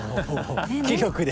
気力で。